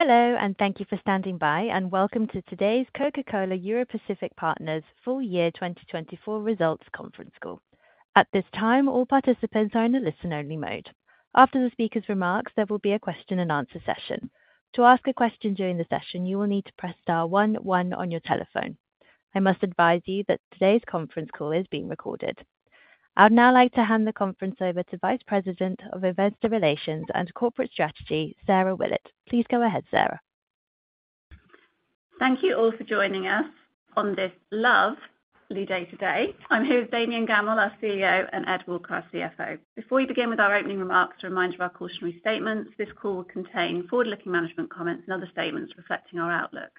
Hello, and thank you for standing by, and welcome to today's Coca-Cola Europacific Partners Full Year 2024 results conference call. At this time, all participants are in a listen-only mode. After the speaker's remarks, there will be a question-and-answer session. To ask a question during the session, you will need to press star one one on your telephone. I must advise you that today's conference call is being recorded. I'd now like to hand the conference over to Vice President of Investor Relations and Corporate Strategy, Sarah Willett. Please go ahead, Sarah. Thank you all for joining us on this lovely day today. I'm here with Damian Gammell, our CEO, and Ed Walker, our CFO. Before we begin with our opening remarks to remind you of our cautionary statements, this call will contain forward-looking management comments and other statements reflecting our outlook.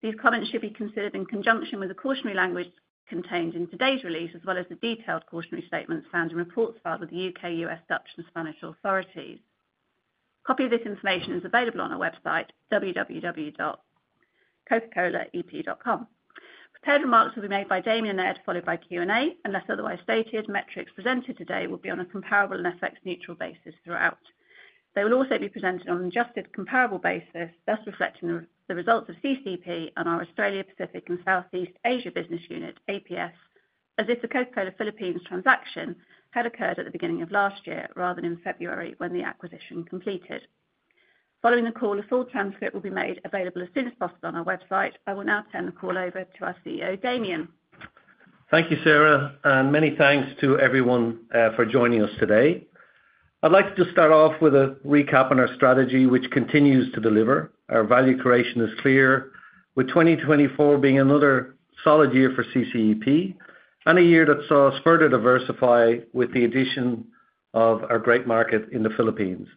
These comments should be considered in conjunction with the cautionary language contained in today's release, as well as the detailed cautionary statements found in reports filed with the U.K., U.S., Dutch, and Spanish authorities. A copy of this information is available on our website, www.cocacolaep.com. Prepared remarks will be made by Damian and Ed, followed by Q&A. Unless otherwise stated, metrics presented today will be on a comparable and FX-neutral basis throughout. They will also be presented on an adjusted comparable basis, thus reflecting the results of CCEP on our Australia, Pacific, and Southeast Asia Business Unit, APS, as if the Coca-Cola Philippines transaction had occurred at the beginning of last year rather than in February when the acquisition completed. Following the call, a full transcript will be made available as soon as possible on our website. I will now turn the call over to our CEO, Damian. Thank you, Sarah, and many thanks to everyone for joining us today. I'd like to just start off with a recap on our strategy, which continues to deliver. Our value creation is clear, with 2024 being another solid year for CCEP and a year that saw us further diversify with the addition of our great market in the Philippines.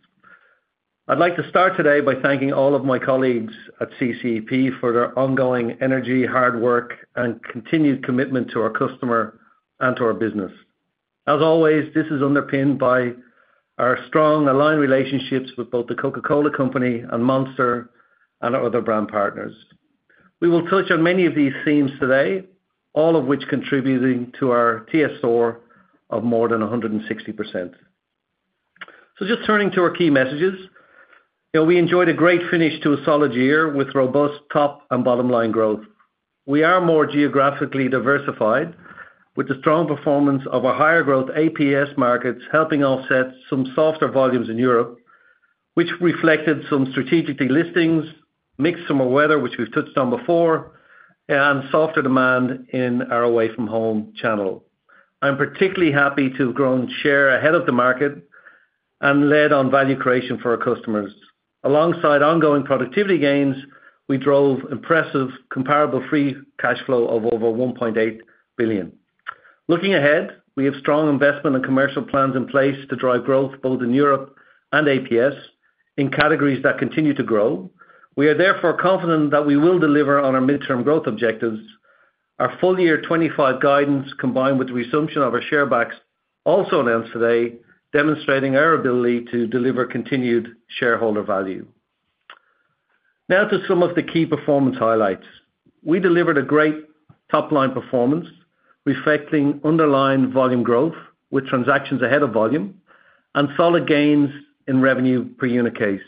I'd like to start today by thanking all of my colleagues at CCEP for their ongoing energy, hard work, and continued commitment to our customer and to our business. As always, this is underpinned by our strong aligned relationships with both The Coca-Cola Company and Monster and our other brand partners. We will touch on many of these themes today, all of which contributing to our TSR of more than 160%. Just turning to our key messages, we enjoyed a great finish to a solid year with robust top and bottom line growth. We are more geographically diversified, with the strong performance of our higher growth APS markets helping offset some softer volumes in Europe, which reflected some strategic delistings, mixed summer weather, which we've touched on before, and softer demand in our away-from-home channel. I'm particularly happy to have grown share ahead of the market and led on value creation for our customers. Alongside ongoing productivity gains, we drove impressive comparable free cash flow of over 1.8 billion. Looking ahead, we have strong investment and commercial plans in place to drive growth both in Europe and APS in categories that continue to grow. We are therefore confident that we will deliver on our midterm growth objectives. Our full year 2025 guidance, combined with the resumption of our share buy-backs, also announced today, demonstrating our ability to deliver continued shareholder value. Now to some of the key performance highlights. We delivered a great top-line performance, reflecting underlying volume growth with transactions ahead of volume and solid gains in revenue per unit case.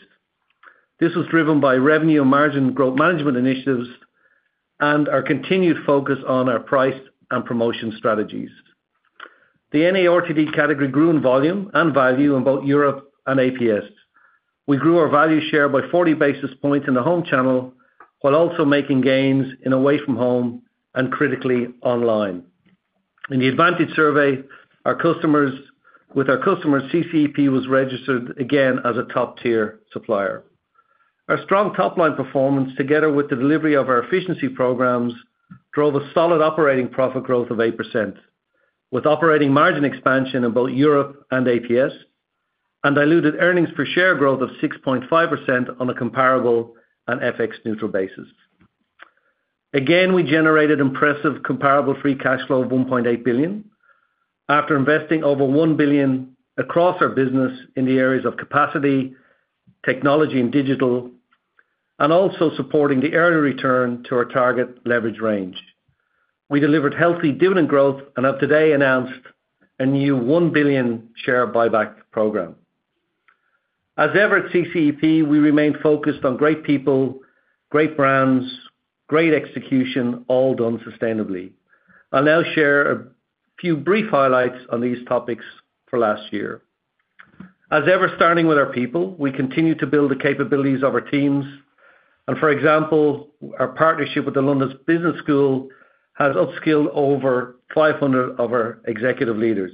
This was driven by revenue and margin growth management initiatives and our continued focus on our price and promotion strategies. The NARTD category grew in volume and value in both Europe and APS. We grew our value share by 40 basis points in the home channel, while also making gains in away from home and critically online. In the Advantage survey with our customers, CCEP was registered again as a top-tier supplier. Our strong top-line performance, together with the delivery of our efficiency programs, drove a solid operating profit growth of 8%, with operating margin expansion in both Europe and APS, and diluted earnings per share growth of 6.5% on a comparable and FX-neutral basis. Again, we generated impressive comparable free cash flow of 1.8 billion after investing over 1 billion across our business in the areas of capacity, technology, and digital, and also supporting the early return to our target leverage range. We delivered healthy dividend growth and have today announced a new 1 billion share buy-back program. As ever at CCEP, we remain focused on great people, great brands, great execution, all done sustainably. I'll now share a few brief highlights on these topics for last year. As ever, starting with our people, we continue to build the capabilities of our teams. For example, our partnership with the London Business School has upskilled over 500 of our executive leaders.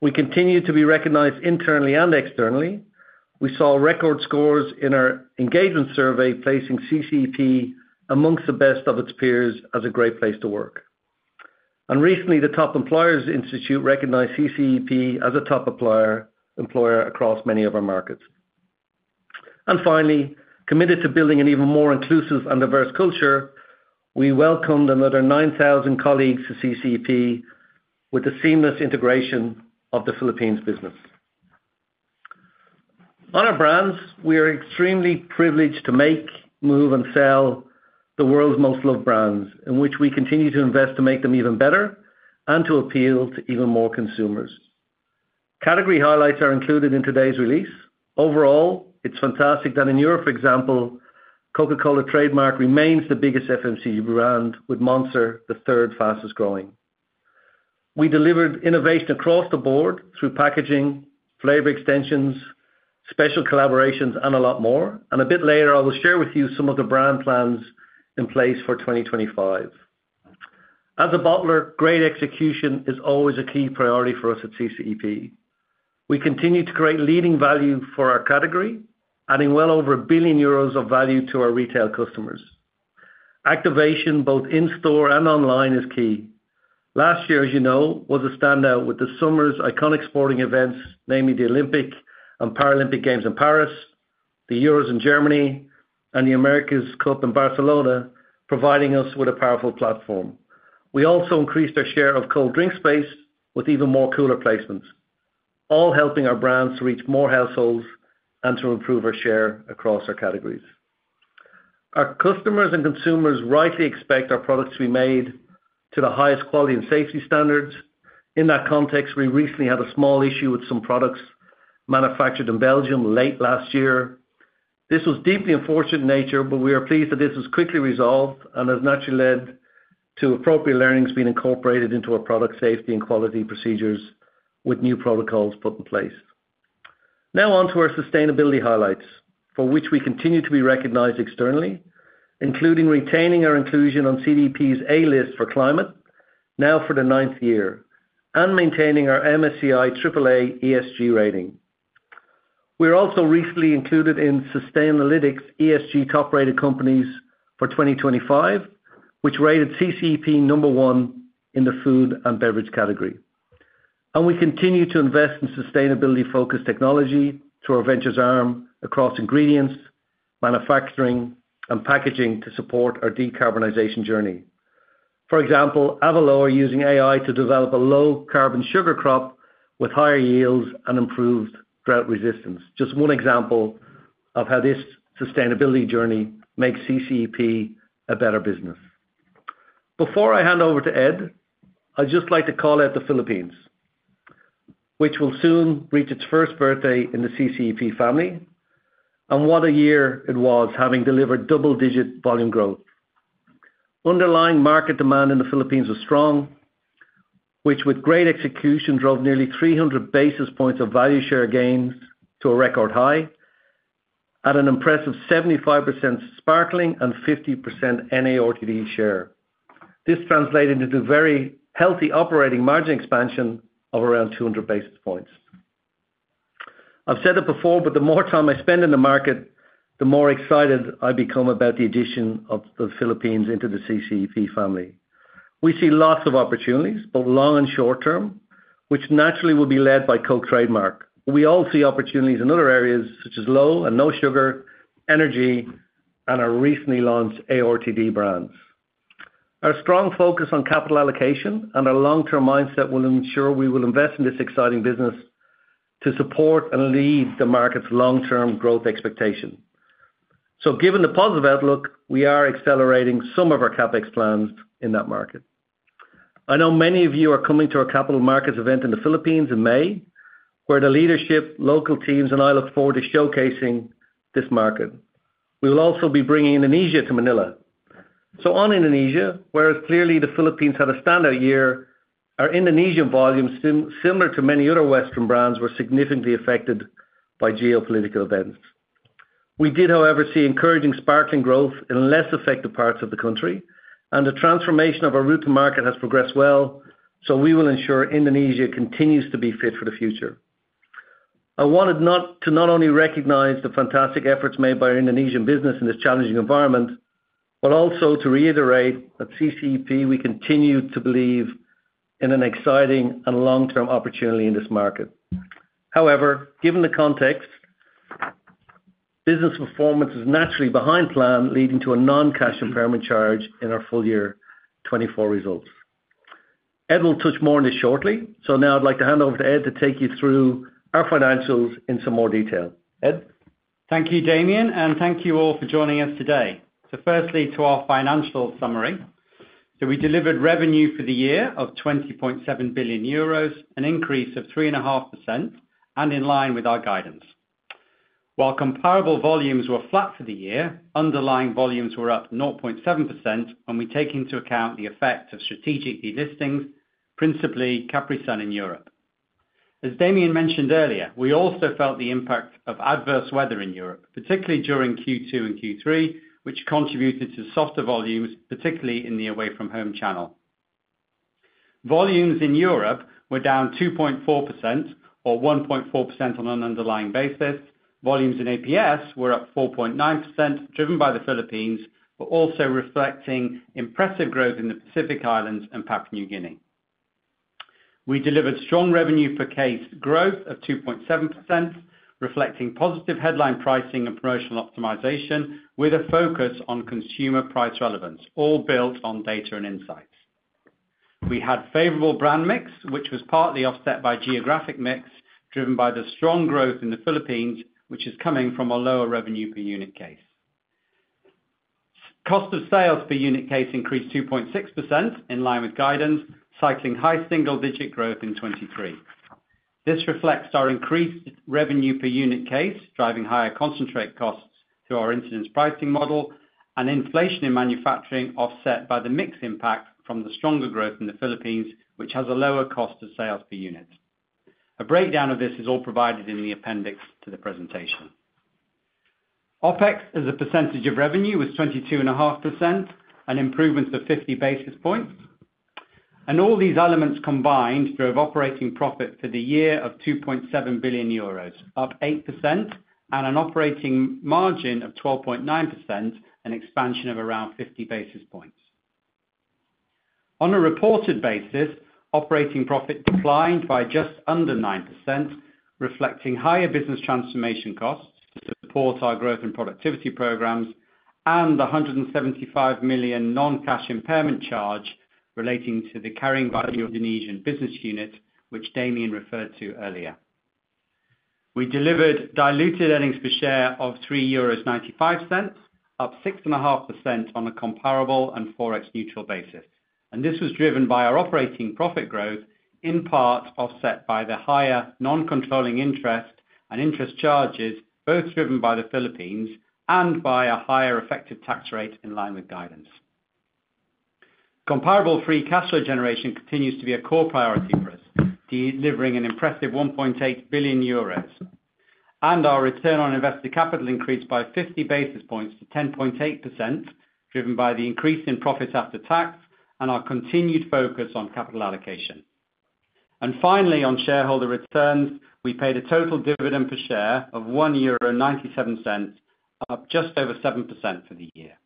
We continue to be recognized internally and externally. We saw record scores in our engagement survey, placing CCEP among the best of its peers as a great place to work. Recently, the Top Employers Institute recognized CCEP as a top employer across many of our markets. Finally, committed to building an even more inclusive and diverse culture, we welcomed another 9,000 colleagues to CCEP with a seamless integration of the Philippines business. On our brands, we are extremely privileged to make, move, and sell the world's most loved brands, in which we continue to invest to make them even better and to appeal to even more consumers. Category highlights are included in today's release. Overall, it's fantastic that in Europe, for example, the Coca-Cola trademark remains the biggest FMCG brand, with Monster the third fastest growing. We delivered innovation across the board through packaging, flavor extensions, special collaborations, and a lot more. A bit later, I will share with you some of the brand plans in place for 2025. As a bottler, great execution is always a key priority for us at CCEP. We continue to create leading value for our category, adding well over 1 billion euros of value to our retail customers. Activation both in store and online is key. Last year, as you know, was a standout with the summer's iconic sporting events, namely the Olympic and Paralympic Games in Paris, the Euros in Germany, and the America's Cup in Barcelona, providing us with a powerful platform. We also increased our share of cold drink space with even more cooler placements, all helping our brands to reach more households and to improve our share across our categories. Our customers and consumers rightly expect our products to be made to the highest quality and safety standards. In that context, we recently had a small issue with some products manufactured in Belgium late last year. This was deeply unfortunate in nature, but we are pleased that this was quickly resolved and has naturally led to appropriate learnings being incorporated into our product safety and quality procedures with new protocols put in place. Now on to our sustainability highlights, for which we continue to be recognized externally, including retaining our inclusion on CDP's A-list for climate, now for the ninth year, and maintaining our MSCI Triple-A ESG rating. We are also recently included in Sustainalytics' ESG Top Rated Companies for 2025, which rated CCEP number one in the food and beverage category. We continue to invest in sustainability-focused technology through our ventures arm across ingredients, manufacturing, and packaging to support our decarbonization journey. For example, Avalo using AI to develop a low-carbon sugar crop with higher yields and improved drought resistance. Just one example of how this sustainability journey makes CCEP a better business. Before I hand over to Ed, I'd just like to call out the Philippines, which will soon reach its first birthday in the CCEP family, and what a year it was having delivered double-digit volume growth. Underlying market demand in the Philippines was strong, which with great execution drove nearly 300 basis points of value share gains to a record high at an impressive 75% sparkling and 50% NARTD share. This translated into very healthy operating margin expansion of around 200 basis points. I've said it before, but the more time I spend in the market, the more excited I become about the addition of the Philippines into the CCEP family. We see lots of opportunities, both long and short term, which naturally will be led by Coke trademark. We all see opportunities in other areas such as low and no sugar, energy, and our recently launched ARTD brands. Our strong focus on capital allocation and our long-term mindset will ensure we will invest in this exciting business to support and lead the market's long-term growth expectation. So given the positive outlook, we are accelerating some of our CapEx plans in that market. I know many of you are coming to our capital markets event in the Philippines in May, where the leadership, local teams, and I look forward to showcasing this market. We will also be bringing Indonesia to Manila so on Indonesia, whereas clearly the Philippines had a standout year, our Indonesian volumes, similar to many other Western brands, were significantly affected by geopolitical events. We did, however, see encouraging sparkling growth in less affected parts of the country, and the transformation of our route to market has progressed well, so we will ensure Indonesia continues to be fit for the future. I wanted to not only recognize the fantastic efforts made by our Indonesian business in this challenging environment, but also to reiterate that CCEP, we continue to believe in an exciting and long-term opportunity in this market. However, given the context, business performance is naturally behind plan, leading to a non-cash impairment charge in our full year 2024 results. Ed will touch more on this shortly. So now I'd like to hand over to Ed to take you through our financials in some more detail. Ed. Thank you, Damian, and thank you all for joining us today. So firstly, to our financial summary. So we delivered revenue for the year of 20.7 billion euros, an increase of 3.5%, and in line with our guidance. While comparable volumes were flat for the year, underlying volumes were up 0.7% when we take into account the effect of strategic delistings, principally Capri-Sun in Europe. As Damian mentioned earlier, we also felt the impact of adverse weather in Europe, particularly during Q2 and Q3, which contributed to softer volumes, particularly in the away-from-home channel. Volumes in Europe were down 2.4%, or 1.4% on an underlying basis. Volumes in APS were up 4.9%, driven by the Philippines, but also reflecting impressive growth in the Pacific Islands and Papua New Guinea. We delivered strong revenue per case growth of 2.7%, reflecting positive headline pricing and promotional optimization, with a focus on consumer price relevance, all built on data and insights. We had favorable brand mix, which was partly offset by geographic mix, driven by the strong growth in the Philippines, which is coming from a lower revenue per unit case. Cost of sales per unit case increased 2.6% in line with guidance, cycling high single-digit growth in 2023. This reflects our increased revenue per unit case, driving higher concentrate costs through our incidence pricing model, and inflation in manufacturing offset by the mix impact from the stronger growth in the Philippines, which has a lower cost of sales per unit. A breakdown of this is all provided in the appendix to the presentation. OpEx as a percentage of revenue was 22.5%, an improvement of 50 basis points. All these elements combined drove operating profit for the year of 2.7 billion euros, up 8%, and an operating margin of 12.9%, an expansion of around 50 basis points. On a reported basis, operating profit declined by just under 9%, reflecting higher business transformation costs to support our growth and productivity programs, and the 175 million non-cash impairment charge relating to the carrying value of Indonesian business unit, which Damian referred to earlier. We delivered diluted earnings per share of 3.95 euros, up 6.5% on a comparable and forex neutral basis. This was driven by our operating profit growth, in part offset by the higher non-controlling interest and interest charges, both driven by the Philippines and by a higher effective tax rate in line with guidance. Comparable free cash flow generation continues to be a core priority for us, delivering an impressive 1.8 billion euros. Our return on invested capital increased by 50 basis points to 10.8%, driven by the increase in profits after tax and our continued focus on capital allocation. And finally, on shareholder returns, we paid a total dividend per share of 1.97 euro, up just over 7% for the year.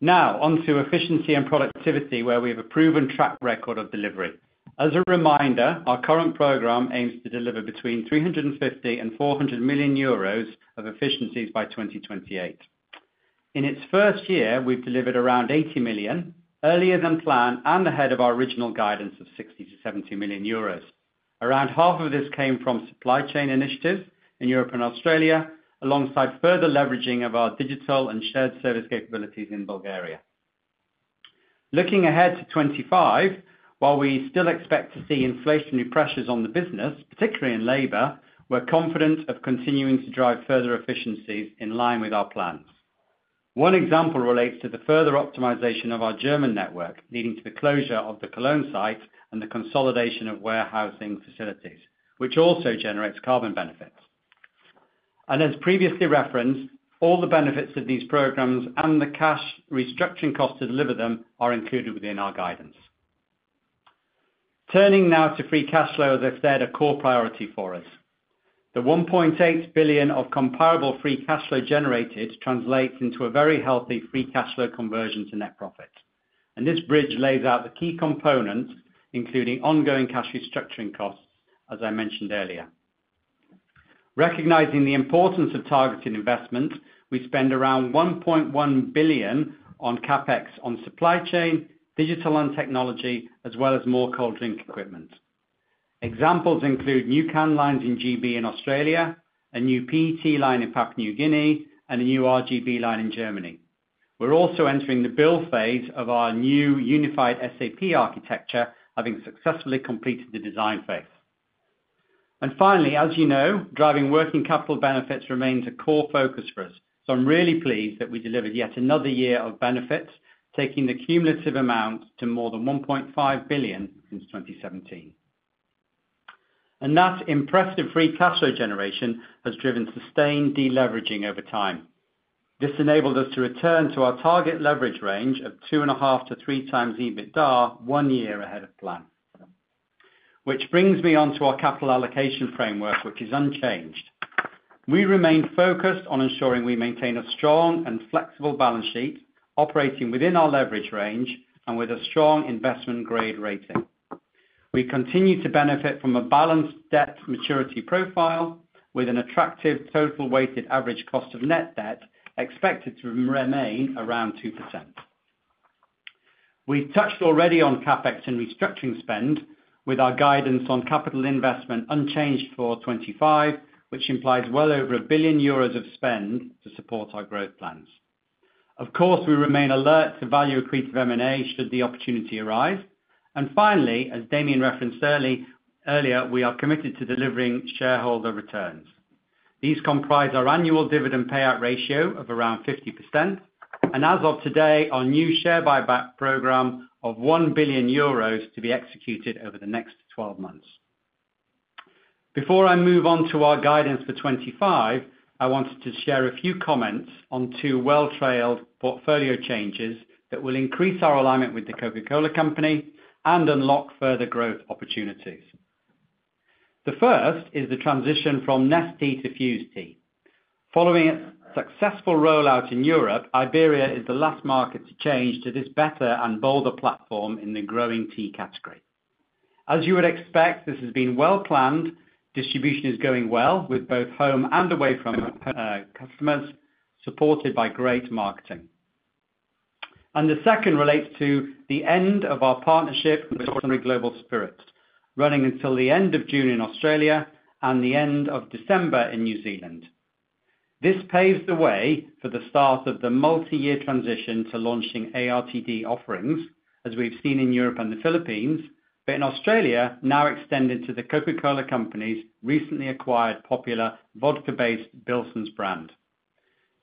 Now on to efficiency and productivity, where we have a proven track record of delivery. As a reminder, our current program aims to deliver between 350 million and 400 million euros of efficiencies by 2028. In its first year, we've delivered around 80 million, earlier than planned and ahead of our original guidance of 60 million-70 million euros. Around half of this came from supply chain initiatives in Europe and Australia, alongside further leveraging of our digital and shared service capabilities in Bulgaria. Looking ahead to 2025, while we still expect to see inflationary pressures on the business, particularly in labor, we're confident of continuing to drive further efficiencies in line with our plans. One example relates to the further optimization of our German network, leading to the closure of the Cologne site and the consolidation of warehousing facilities, which also generates carbon benefits, and as previously referenced, all the benefits of these programs and the cash restructuring costs to deliver them are included within our guidance. Turning now to free cash flow, as I said, a core priority for us. The 1.8 billion of comparable free cash flow generated translates into a very healthy free cash flow conversion to net profit, and this bridge lays out the key components, including ongoing cash restructuring costs, as I mentioned earlier. Recognizing the importance of targeted investment, we spend around 1.1 billion on CapEx on supply chain, digital and technology, as well as more cold drink equipment. Examples include new canned lines in GB and Australia, a new PET line in Papua New Guinea, and a new RGB line in Germany. We're also entering the build phase of our new unified SAP architecture, having successfully completed the design phase. And finally, as you know, driving working capital benefits remains a core focus for us. So I'm really pleased that we delivered yet another year of benefits, taking the cumulative amount to more than 1.5 billion since 2017. And that impressive free cash flow generation has driven sustained deleveraging over time. This enabled us to return to our target leverage range of 2.5 to 3 times EBITDA one year ahead of plan. Which brings me on to our capital allocation framework, which is unchanged. We remain focused on ensuring we maintain a strong and flexible balance sheet, operating within our leverage range, and with a strong investment grade rating. We continue to benefit from a balanced debt maturity profile with an attractive total weighted average cost of net debt expected to remain around 2%. We've touched already on CapEx and restructuring spend with our guidance on capital investment unchanged for 2025, which implies well over 1 billion euros of spend to support our growth plans. Of course, we remain alert to value accretive M&A should the opportunity arise. And finally, as Damian referenced earlier, we are committed to delivering shareholder returns. These comprise our annual dividend payout ratio of around 50%, and as of today, our new share buyback program of 1 billion euros to be executed over the next 12 months. Before I move on to our guidance for 2025, I wanted to share a few comments on two well-trailed portfolio changes that will increase our alignment with the Coca-Cola Company and unlock further growth opportunities. The first is the transition from Nestea to Fuze Tea. Following a successful rollout in Europe, Iberia is the last market to change to this better and bolder platform in the growing tea category. As you would expect, this has been well planned. Distribution is going well with both home and away-from customers, supported by great marketing, and the second relates to the end of our partnership with Suntory Global Spirits, running until the end of June in Australia and the end of December in New Zealand. This paves the way for the start of the multi-year transition to launching ARTD offerings, as we've seen in Europe and the Philippines, but in Australia now extended to the Coca-Cola Company's recently acquired popular vodka-based Billson's brand.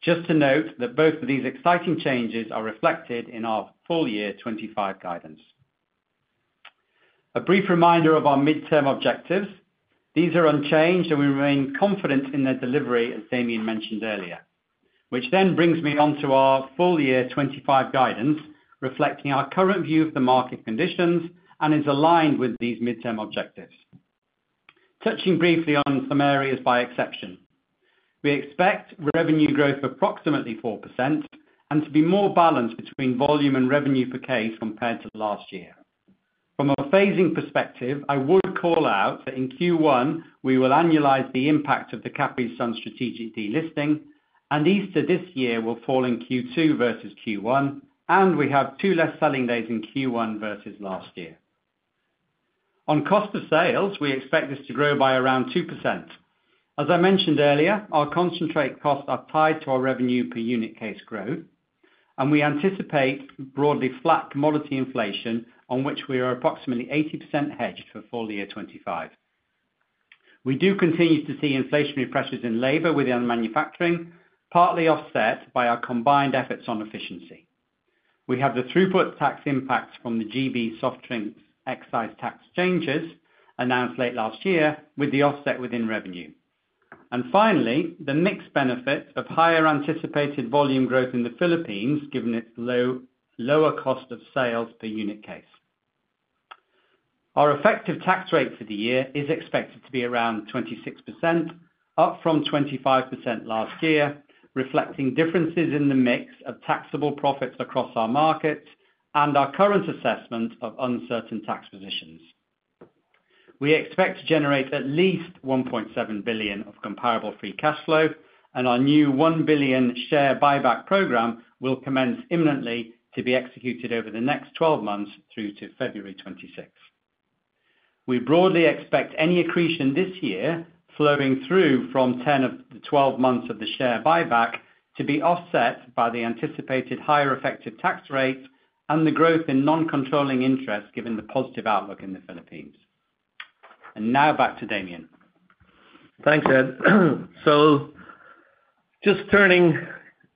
Just to note that both of these exciting changes are reflected in our full year 2025 guidance. A brief reminder of our midterm objectives. These are unchanged, and we remain confident in their delivery, as Damian mentioned earlier. Which then brings me on to our full year 2025 guidance, reflecting our current view of the market conditions and is aligned with these midterm objectives. Touching briefly on some areas by exception. We expect revenue growth of approximately 4% and to be more balanced between volume and revenue per case compared to last year. From a phasing perspective, I would call out that in Q1, we will annualize the impact of the Capri-Sun strategic delisting, and Easter this year will fall in Q2 versus Q1, and we have two less selling days in Q1 versus last year. On cost of sales, we expect this to grow by around 2%. As I mentioned earlier, our concentrate costs are tied to our revenue per unit case growth, and we anticipate broadly flat commodity inflation, on which we are approximately 80% hedged for full year 25. We do continue to see inflationary pressures in labor within manufacturing, partly offset by our combined efforts on efficiency. We have the throughput tax impact from the GB soft drinks excise tax changes announced late last year, with the offset within revenue. Finally, the mixed benefit of higher anticipated volume growth in the Philippines, given its lower cost of sales per unit case. Our effective tax rate for the year is expected to be around 26%, up from 25% last year, reflecting differences in the mix of taxable profits across our markets and our current assessment of uncertain tax positions. We expect to generate at least 1.7 billion of comparable free cash flow, and our new 1 billion share buyback program will commence imminently to be executed over the next 12 months through to February 26. We broadly expect any accretion this year flowing through from 10 of the 12 months of the share buyback to be offset by the anticipated higher effective tax rate and the growth in non-controlling interest, given the positive outlook in the Philippines. Now back to Damian. Thanks, Ed. Just turning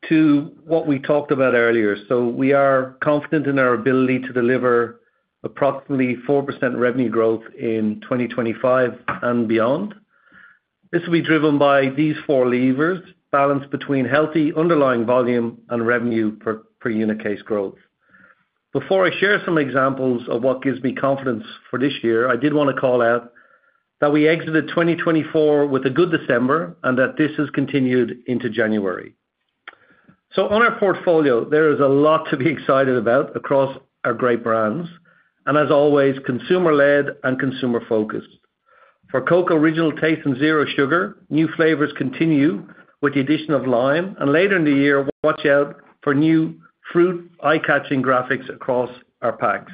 to what we talked about earlier. We are confident in our ability to deliver approximately 4 % revenue growth in 2025 and beyond. This will be driven by these four levers: balance between healthy underlying volume and revenue per unit case growth. Before I share some examples of what gives me confidence for this year, I did want to call out that we exited 2024 with a good December and that this has continued into January. On our portfolio, there is a lot to be excited about across our great brands, and as always, consumer-led and consumer-focused. For Coca-Cola Original Taste and Coca-Cola Zero Sugar, new flavors continue with the addition of lime, and later in the year, watch out for new fruit eye-catching graphics across our packs.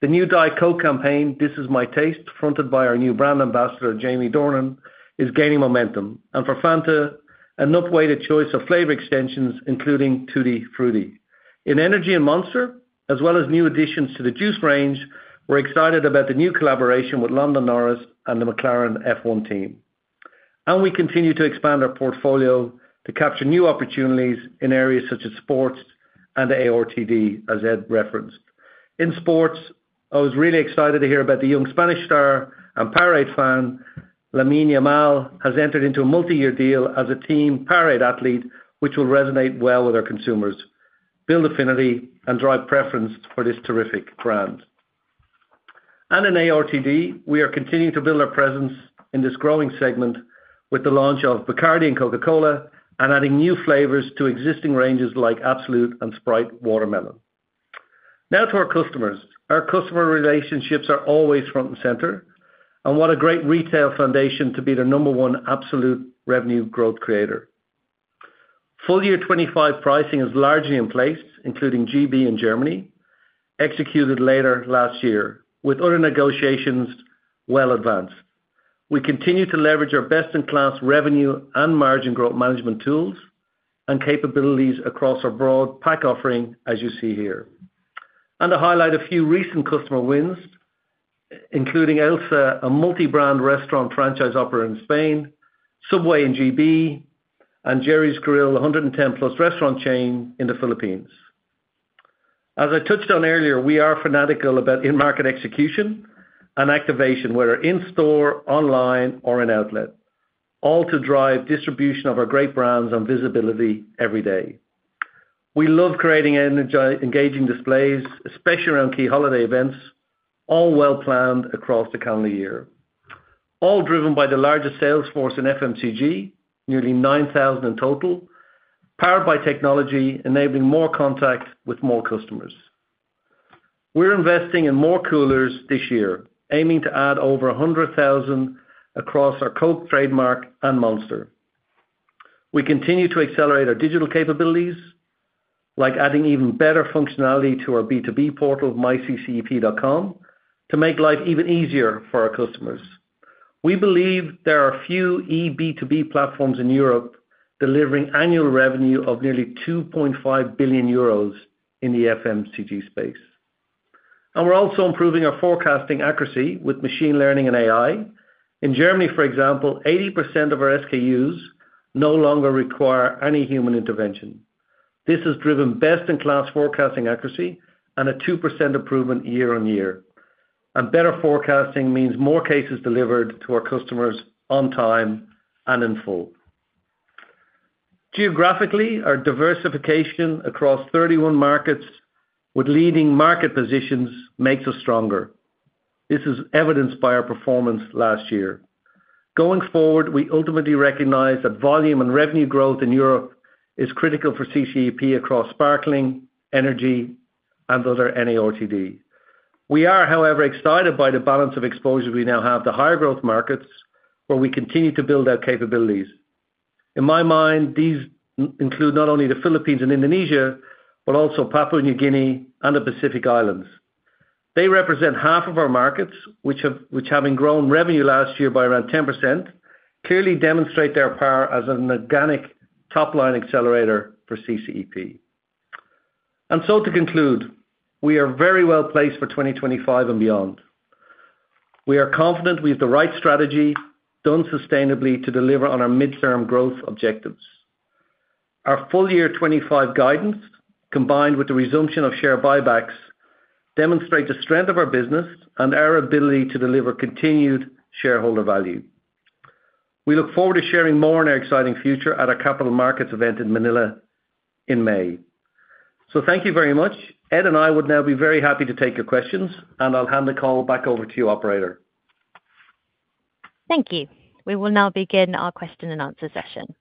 The new Diet Coke campaign, This Is My Taste, fronted by our new brand ambassador, Jamie Dornan, is gaining momentum. For Fanta, an upweighted choice of flavor extensions, including Tutti Frutti. In energy and Monster, as well as new additions to the juice range, we're excited about the new collaboration with Lando Norris and the McLaren F1 Team. We continue to expand our portfolio to capture new opportunities in areas such as sports and ARTD, as Ed referenced. In sports, I was really excited to hear about the young Spanish star and Powerade fan, Lamine Yamal, who has entered into a multi-year deal as a Team Powerade athlete, which will resonate well with our consumers, build affinity, and drive preference for this terrific brand. In ARTD, we are continuing to build our presence in this growing segment with the launch of Bacardi and Coca-Cola and adding new flavors to existing ranges like Absolut and Sprite Watermelon. Now to our customers. Our customer relationships are always front and center, and what a great retail foundation to be the number one absolute revenue growth creator. Full year 25 pricing is largely in place, including GB and Germany, executed later last year, with other negotiations well advanced. We continue to leverage our best-in-class revenue and margin growth management tools and capabilities across our broad pack offering, as you see here. I'll highlight a few recent customer wins, including Alsea, a multi-brand restaurant franchise operator in Spain, Subway in GB, and Gerry's Grill, a 110-plus restaurant chain in the Philippines. As I touched on earlier, we are fanatical about in-market execution and activation, whether in-store, online, or in outlet, all to drive distribution of our great brands and visibility every day. We love creating engaging displays, especially around key holiday events, all well planned across the calendar year. All driven by the largest sales force in FMCG, nearly 9,000 in total, powered by technology, enabling more contact with more customers. We're investing in more coolers this year, aiming to add over 100,000 across our Coke trademark and Monster. We continue to accelerate our digital capabilities, like adding even better functionality to our B2B portal, myCCEP.com, to make life even easier for our customers. We believe there are few eB2B platforms in Europe delivering annual revenue of nearly 2.5 billion euros in the FMCG space, and we're also improving our forecasting accuracy with machine learning and AI. In Germany, for example, 80% of our SKUs no longer require any human intervention. This has driven best-in-class forecasting accuracy and a 2% improvement year-on-year. And better forecasting means more cases delivered to our customers on time and in full. Geographically, our diversification across 31 markets with leading market positions makes us stronger. This is evidenced by our performance last year. Going forward, we ultimately recognize that volume and revenue growth in Europe is critical for CCEP across sparkling, energy, and other NARTD. We are, however, excited by the balance of exposure we now have to higher growth markets where we continue to build our capabilities. In my mind, these include not only the Philippines and Indonesia, but also Papua New Guinea and the Pacific Islands. They represent half of our markets, which have been growing revenue last year by around 10%, clearly demonstrate their power as an organic top-line accelerator for CCEP. And so to conclude, we are very well placed for 2025 and beyond. We are confident we have the right strategy, done sustainably to deliver on our midterm growth objectives. Our full year 2025 guidance, combined with the resumption of share buy-backs, demonstrates the strength of our business and our ability to deliver continued shareholder value. We look forward to sharing more on our exciting future at our capital markets event in Manila in May. So thank you very much. Ed and I would now be very happy to take your questions, and I'll hand the call back over to you, Operator. Thank you. We will now begin our question-and-answer session.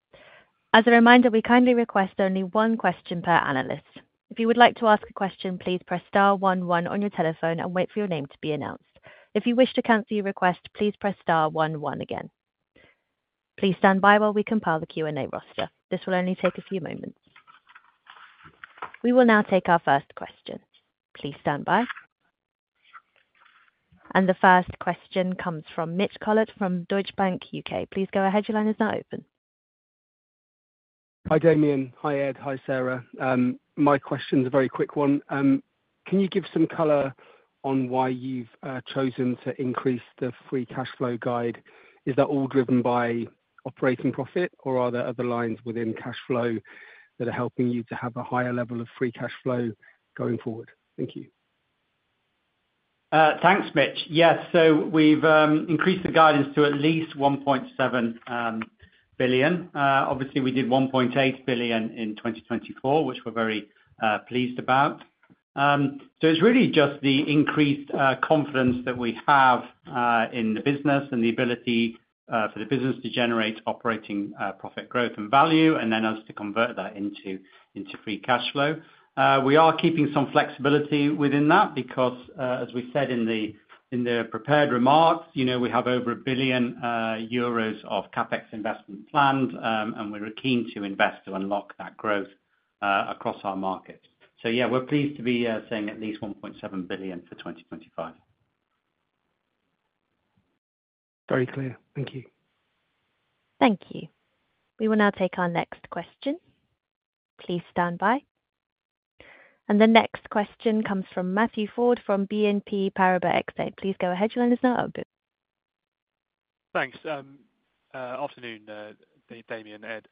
As a reminder, we kindly request only one question per analyst. If you would like to ask a question, please press star 11 on your telephone and wait for your name to be announced. If you wish to cancel your request, please press star 11 again. Please stand by while we compile the Q&A roster. This will only take a few moments. We will now take our first question. Please stand by. The first question comes from Mitch Collett from Deutsche Bank UK. Please go ahead. Your line is now open. Hi Damian. Hi Ed. Hi Sarah. My question's a very quick one. Can you give some color on why you've chosen to increase the free cash flow guide? Is that all driven by operating profit, or are there other lines within cash flow that are helping you to have a higher level of free cash flow going forward? Thank you. Thanks, Mitch. Yes, so we've increased the guidance to at least 1.7 billion. Obviously, we did 1.8 billion in 2024, which we're very pleased about. So it's really just the increased confidence that we have in the business and the ability for the business to generate operating profit growth and value, and then us to convert that into free cash flow. We are keeping some flexibility within that because, as we said in the prepared remarks, we have over 1 billion euros of CapEx investment planned, and we're keen to invest to unlock that growth across our markets. So yeah, we're pleased to be saying at least 1.7 billion for 2025. Very clear. Thank you. Thank you. We will now take our next question. Please stand by, and the next question comes from Matthew Ford from BNP Paribas Exane. Please go ahead. Your line is now open. Thanks. Afternoon, Damian and Ed.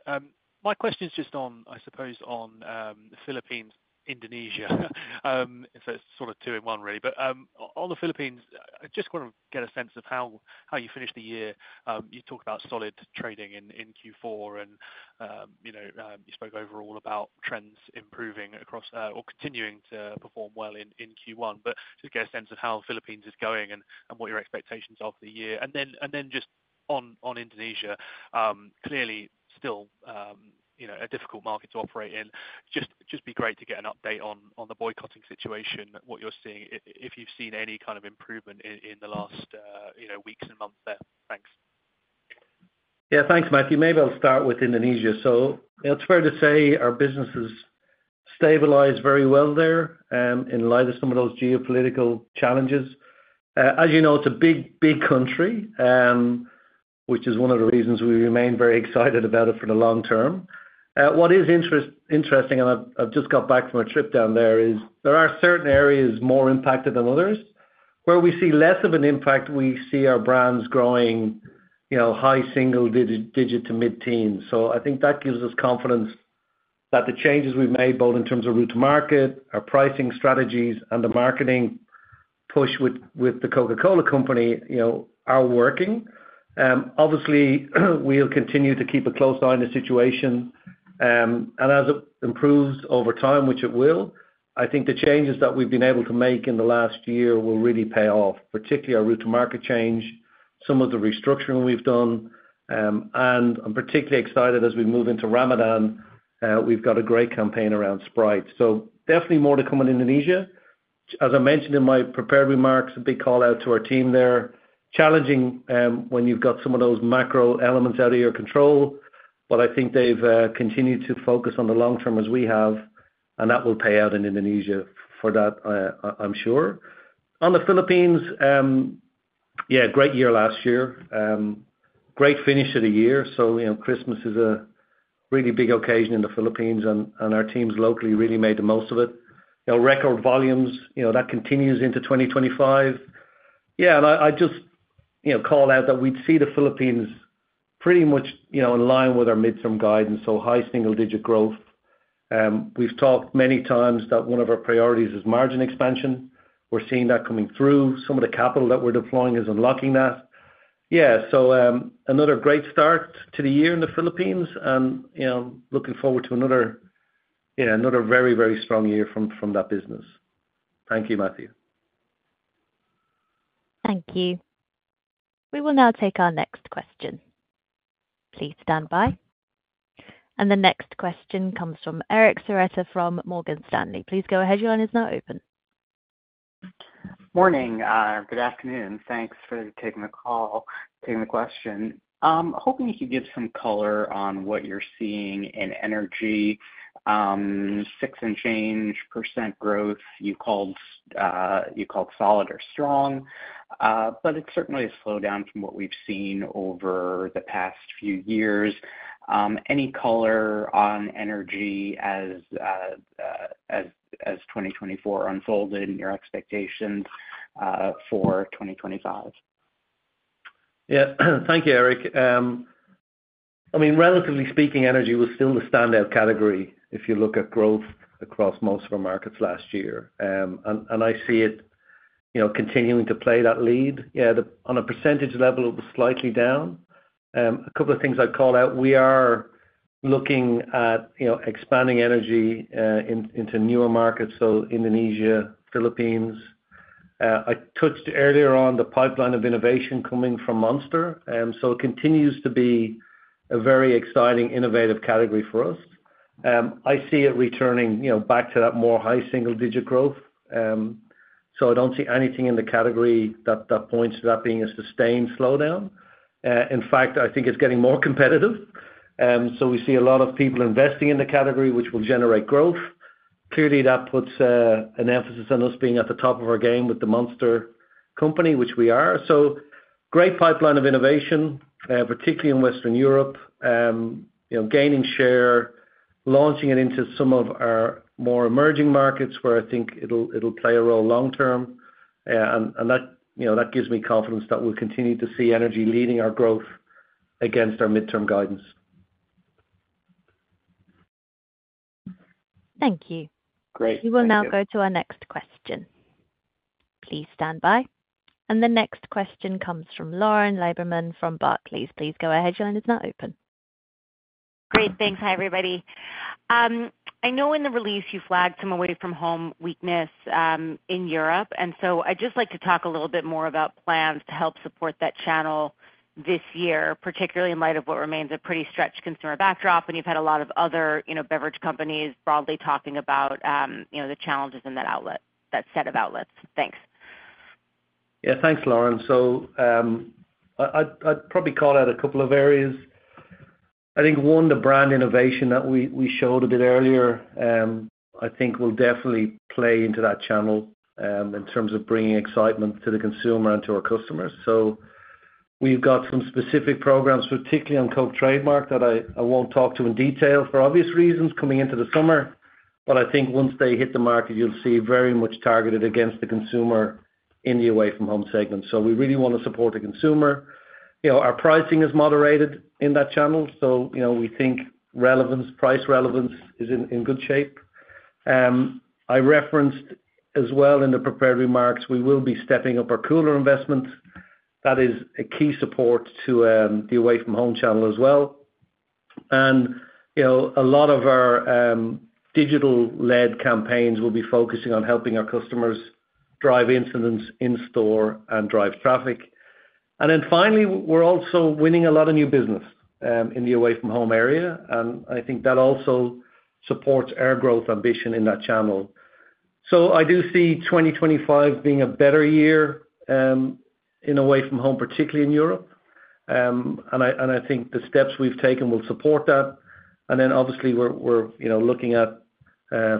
My question's just on, I suppose, on the Philippines, Indonesia. So it's sort of two in one, really. But on the Philippines, I just want to get a sense of how you finished the year. You talked about solid trading in Q4, and you spoke overall about trends improving across or continuing to perform well in Q1. But just get a sense of how the Philippines is going and what your expectations are for the year. And then just on Indonesia, clearly still a difficult market to operate in. Just be great to get an update on the boycotting situation, what you're seeing, if you've seen any kind of improvement in the last weeks and months there. Thanks. Yeah, thanks, Matthew. Maybe I'll start with Indonesia. So it's fair to say our business has stabilized very well there in light of some of those geopolitical challenges. As you know, it's a big, big country, which is one of the reasons we remain very excited about it for the long term. What is interesting, and I've just got back from a trip down there, is there are certain areas more impacted than others where we see less of an impact. We see our brands growing high single-digit to mid-teens. So I think that gives us confidence that the changes we've made, both in terms of route to market, our pricing strategies, and the marketing push with the Coca-Cola Company are working. Obviously, we'll continue to keep a close eye on the situation. As it improves over time, which it will, I think the changes that we've been able to make in the last year will really pay off, particularly our route to market change, some of the restructuring we've done, and I'm particularly excited as we move into Ramadan. We've got a great campaign around Sprite, so definitely more to come in Indonesia. As I mentioned in my prepared remarks, a big call out to our team there. Challenging when you've got some of those macro elements out of your control, but I think they've continued to focus on the long term as we have, and that will pay out in Indonesia for that, I'm sure. On the Philippines, yeah, great year last year. Great finish of the year, so Christmas is a really big occasion in the Philippines, and our teams locally really made the most of it. Record volumes, that continues into 2025. Yeah, and I just call out that we'd see the Philippines pretty much in line with our midterm guidance, so high single-digit growth. We've talked many times that one of our priorities is margin expansion. We're seeing that coming through. Some of the capital that we're deploying is unlocking that. Yeah, so another great start to the year in the Philippines, and looking forward to another very, very strong year from that business. Thank you, Matthew. Thank you. We will now take our next question. Please stand by. And the next question comes from Eric Serotta from Morgan Stanley. Please go ahead. Your line is now open. Morning. Good afternoon. Thanks for taking the call, taking the question. Hoping you could give some color on what you're seeing in energy. Six and change % growth, you called solid or strong, but it's certainly a slowdown from what we've seen over the past few years. Any color on energy as 2024 unfolded and your expectations for 2025? Yeah. Thank you, Eric. I mean, relatively speaking, energy was still the standout category if you look at growth across most of our markets last year, and I see it continuing to play that lead. Yeah, on a percentage level, it was slightly down. A couple of things I'd call out. We are looking at expanding energy into newer markets, so Indonesia, Philippines. I touched earlier on the pipeline of innovation coming from Monster, so it continues to be a very exciting, innovative category for us. I see it returning back to that more high single-digit growth, so I don't see anything in the category that points to that being a sustained slowdown. In fact, I think it's getting more competitive, so we see a lot of people investing in the category, which will generate growth. Clearly, that puts an emphasis on us being at the top of our game with the Monster company, which we are. So great pipeline of innovation, particularly in Western Europe, gaining share, launching it into some of our more emerging markets where I think it'll play a role long term. And that gives me confidence that we'll continue to see energy leading our growth against our midterm guidance. Thank you. You will now go to our next question. Please stand by. And the next question comes from Lauren Lieberman from Barclays. Please go ahead. Your line is now open. Great. Thanks. Hi, everybody. I know in the release you flagged some away-from-home weakness in Europe. And so I'd just like to talk a little bit more about plans to help support that channel this year, particularly in light of what remains a pretty stretched consumer backdrop, and you've had a lot of other beverage companies broadly talking about the challenges in that set of outlets. Thanks. Yeah, thanks, Lauren. So I'd probably call out a couple of areas. I think one, the brand innovation that we showed a bit earlier, I think, will definitely play into that channel in terms of bringing excitement to the consumer and to our customers. So we've got some specific programs, particularly on Coke trademark, that I won't talk to in detail for obvious reasons coming into the summer. But I think once they hit the market, you'll see very much targeted against the consumer in the away-from-home segment. So we really want to support the consumer. Our pricing is moderated in that channel. So we think price relevance is in good shape. I referenced as well in the prepared remarks. We will be stepping up our cooler investments. That is a key support to the away-from-home channel as well. A lot of our digital-led campaigns will be focusing on helping our customers drive incidence in store and drive traffic. Then finally, we're also winning a lot of new business in the away-from-home area. I think that also supports our growth ambition in that channel. So I do see 2025 being a better year in away-from-home, particularly in Europe. I think the steps we've taken will support that. Then obviously, we're looking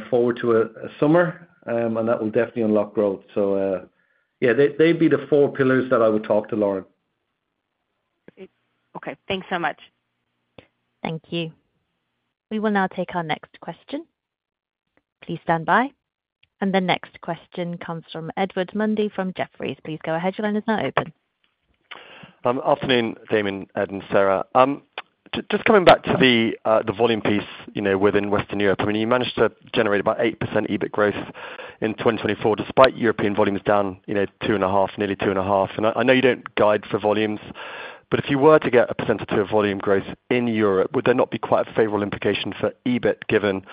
forward to a summer, and that will definitely unlock growth. So yeah, they'd be the four pillars that I would talk to Lauren. Okay. Thanks so much. Thank you. We will now take our next question. Please stand by. And the next question comes from Edward Mundy from Jefferies. Please go ahead. Your line is now open. Afternoon, Damian, Ed, and Sarah. Just coming back to the volume piece within Western Europe, I mean, you managed to generate about 8% EBIT growth in 2024 despite European volumes down two and a half, nearly two and a half. I know you don't guide for volumes, but if you were to get a percentage of volume growth in Europe, would there not be quite a favorable implication for EBIT given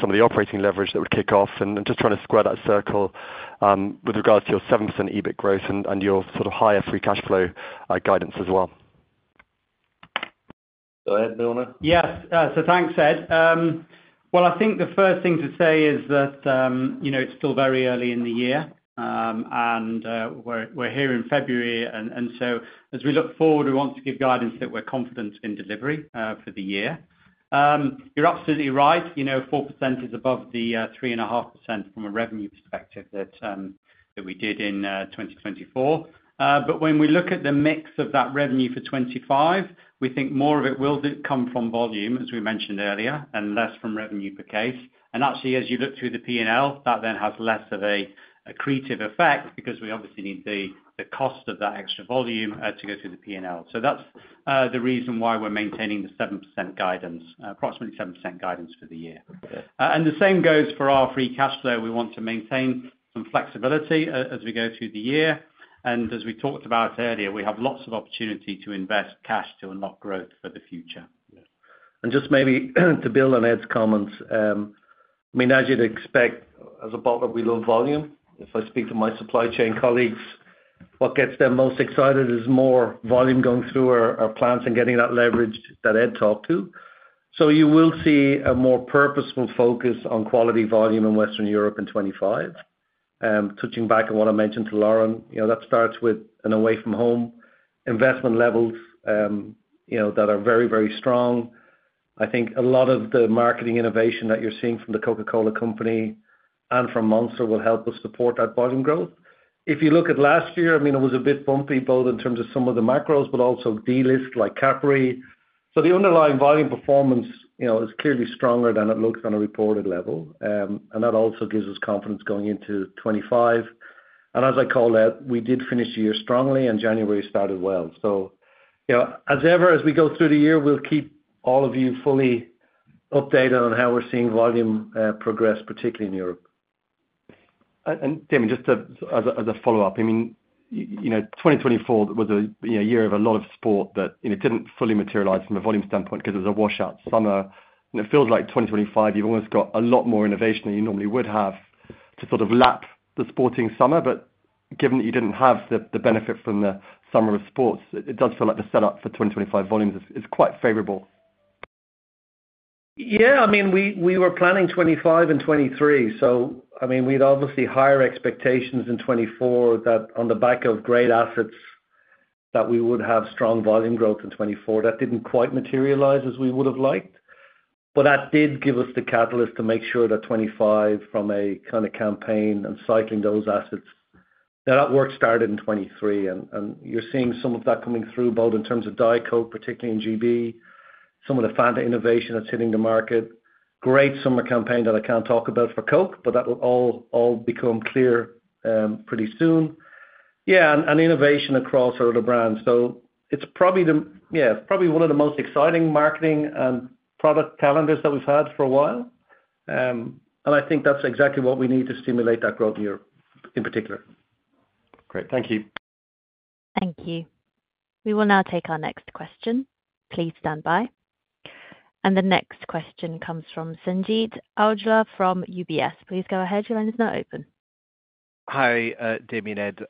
some of the operating leverage that would kick off? Just trying to square that circle with regards to your 7% EBIT growth and your sort of higher free cash flow guidance as well. Go ahead, Ed. Yes. So thanks, Ed. Well, I think the first thing to say is that it's still very early in the year, and we're here in February, and so as we look forward, we want to give guidance that we're confident in delivery for the year. You're absolutely right, 4% is above the 3.5% from a revenue perspective that we did in 2024, but when we look at the mix of that revenue for 2025, we think more of it will come from volume, as we mentioned earlier, and less from revenue per case, and actually, as you look through the P&L, that then has less of accretive effect because we obviously need the cost of that extra volume to go through the P&L, so that's the reason why we're maintaining the 7% guidance, approximately 7% guidance for the year, and the same goes for our free cash flow. We want to maintain some flexibility as we go through the year, and as we talked about earlier, we have lots of opportunity to invest cash to unlock growth for the future. Just maybe to build on Ed's comments, I mean, as you'd expect, as a partner, we love volume. If I speak to my supply chain colleagues, what gets them most excited is more volume going through our plants and getting that leverage that Ed talked to. So you will see a more purposeful focus on quality volume in Western Europe in 2025. Touching back on what I mentioned to Lauren, that starts with away-from-home investment levels that are very, very strong. I think a lot of the marketing innovation that you're seeing from the Coca-Cola Company and from Monster will help us support that volume growth. If you look at last year, I mean, it was a bit bumpy both in terms of some of the macros, but also delistings like Capri. So the underlying volume performance is clearly stronger than it looks on a reported level. That also gives us confidence going into 2025. As I call it, we did finish the year strongly, and January started well. As ever, as we go through the year, we'll keep all of you fully updated on how we're seeing volume progress, particularly in Europe. And Damian, just as a follow-up, I mean, 2024 was a year of a lot of sport that didn't fully materialize from a volume standpoint because it was a washout summer. And it feels like 2025, you've almost got a lot more innovation than you normally would have to sort of lap the sporting summer. But given that you didn't have the benefit from the summer of sports, it does feel like the setup for 2025 volumes is quite favorable. Yeah. I mean, we were planning 2025 and 2023. So I mean, we'd obviously have higher expectations in 2024 that on the back of great assets that we would have strong volume growth in 2024. That didn't quite materialize as we would have liked. But that did give us the catalyst to make sure that 2025, from a kind of campaign and cycling those assets, that that work started in 2023. And you're seeing some of that coming through both in terms of Diet Coke, particularly in GB, some of the Fanta innovation that's hitting the market. Great summer campaign that I can't talk about for Coke, but that will all become clear pretty soon. Yeah. And innovation across our other brands. So it's probably one of the most exciting marketing and product calendars that we've had for a while. I think that's exactly what we need to stimulate that growth in Europe in particular. Great. Thank you. Thank you. We will now take our next question. Please stand by, and the next question comes from Sanjeet Aujla from UBS. Please go ahead. Your line is now open. Hi, Damian, Ed.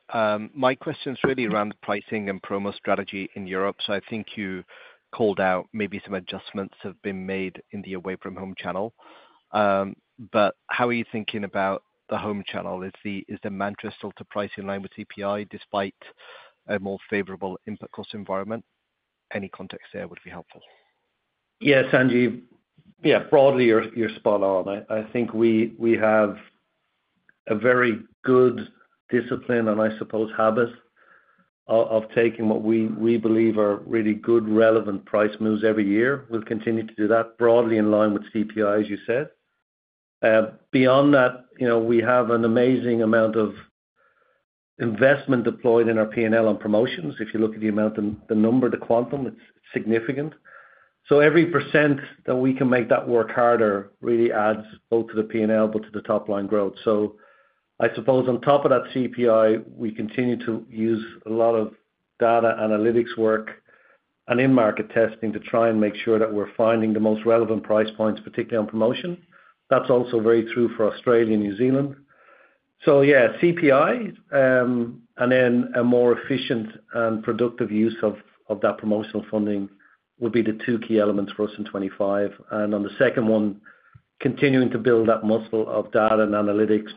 My question's really around pricing and promo strategy in Europe. So I think you called out maybe some adjustments have been made in the away-from-home channel. But how are you thinking about the home channel? Is the plan still to price in line with CPI despite a more favorable input cost environment? Any context there would be helpful. Yeah, Sanjeet, yeah, broadly, you're spot on. I think we have a very good discipline and I suppose habit of taking what we believe are really good, relevant price moves every year. We'll continue to do that broadly in line with CPI, as you said. Beyond that, we have an amazing amount of investment deployed in our P&L on promotions. If you look at the amount, the number, the quantum, it's significant. So every % that we can make that work harder really adds both to the P&L but to the top-line growth. So I suppose on top of that CPI, we continue to use a lot of data analytics work and in-market testing to try and make sure that we're finding the most relevant price points, particularly on promotion. That's also very true for Australia and New Zealand. So yeah, CPI and then a more efficient and productive use of that promotional funding would be the two key elements for us in 2025. And on the second one, continuing to build that muscle of data and analytics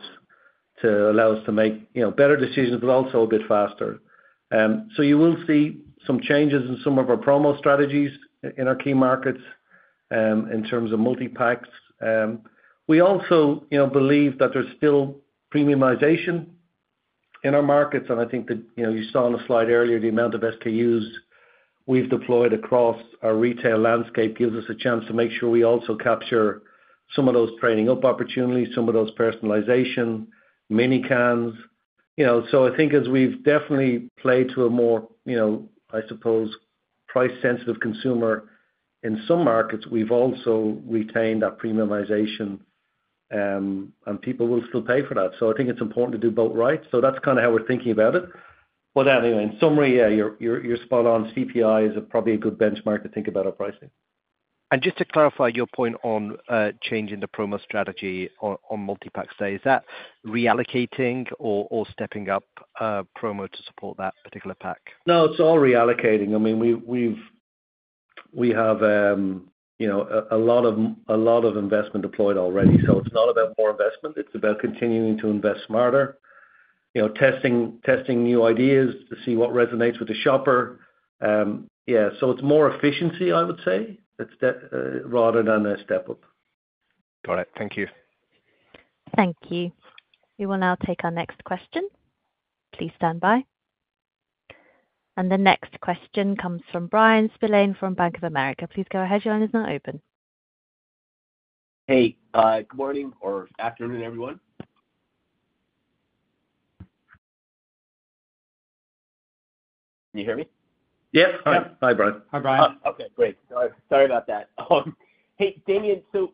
to allow us to make better decisions, but also a bit faster. So you will see some changes in some of our promo strategies in our key markets in terms of multi-packs. We also believe that there's still premiumization in our markets. And I think that you saw on the slide earlier, the amount of SKUs we've deployed across our retail landscape gives us a chance to make sure we also capture some of those training-up opportunities, some of those personalization, mini cans. So I think as we've definitely played to a more, I suppose, price-sensitive consumer in some markets, we've also retained that premiumization, and people will still pay for that. So I think it's important to do both right. So that's kind of how we're thinking about it. But anyway, in summary, yeah, you're spot on. CPI is probably a good benchmark to think about our pricing. Just to clarify your point on changing the promo strategy on multi-packs, is that reallocating or stepping up promo to support that particular pack? No, it's all reallocating. I mean, we have a lot of investment deployed already. So it's not about more investment. It's about continuing to invest smarter, testing new ideas to see what resonates with the shopper. Yeah. So it's more efficiency, I would say, rather than a step up. Got it. Thank you. Thank you. We will now take our next question. Please stand by, and the next question comes from Bryan Spillane from Bank of America. Please go ahead. Your line is now open. Hey. Good morning or afternoon, everyone. Can you hear me? Yep. Hi, Bryan. Hi, Bryan. Okay. Great. Sorry about that. Hey, Damian, so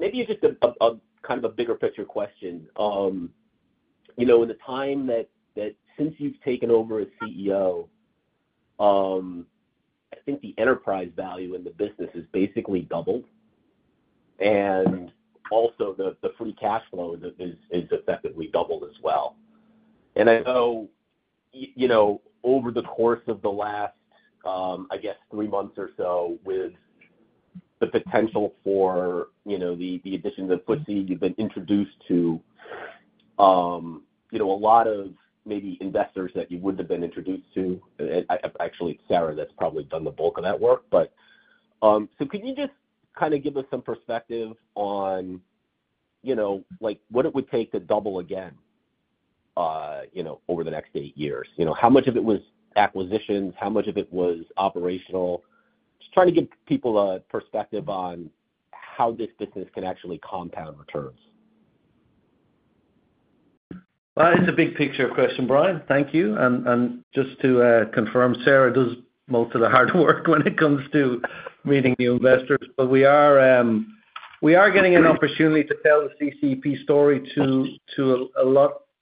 maybe just kind of a bigger picture question. In the time since you've taken over as CEO, I think the enterprise value in the business has basically doubled, and also the free cash flow has effectively doubled as well, and I know over the course of the last, I guess, three months or so, with the potential for the addition of FTSE, you've been introduced to a lot of maybe investors that you wouldn't have been introduced to. Actually, it's Sarah that's probably done the bulk of that work, but so can you just kind of give us some perspective on what it would take to double again over the next eight years? How much of it was acquisitions? How much of it was operational? Just trying to give people a perspective on how this business can actually compound returns. It's a big picture question, Bryan. Thank you. Just to confirm, Sarah does most of the hard work when it comes to meeting new investors. We are getting an opportunity to tell the CCEP story to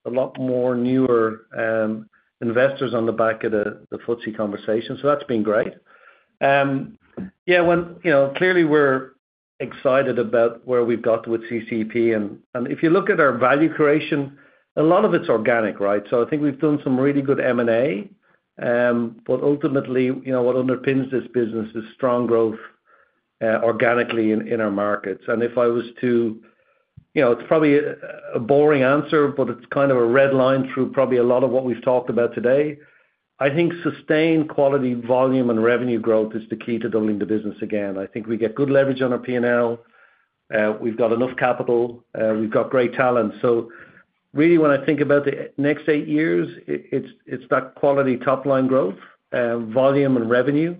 a lot more newer investors on the back of the FTSE conversation. That's been great. Yeah. Clearly, we're excited about where we've got with CCEP. If you look at our value creation, a lot of it's organic, right? We think we've done some really good M&A. Ultimately, what underpins this business is strong growth organically in our markets. If I was to, it's probably a boring answer, but it's kind of a red line through probably a lot of what we've talked about today. I think sustained quality, volume, and revenue growth is the key to doubling the business again. I think we get good leverage on our P&L. We've got enough capital. We've got great talent, so really, when I think about the next eight years, it's that quality top-line growth, volume, and revenue,